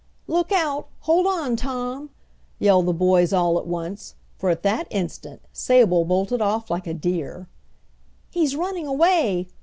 "Look out! Hold on, Tom!" yelled the boys all at once, for at that instant Sable bolted off like a deer. "He's running away!"